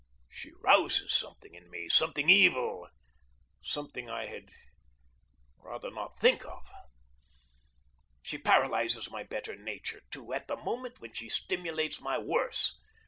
She rouses something in me, something evil, something I had rather not think of. She paralyzes my better nature, too, at the moment when she stimulates my worse.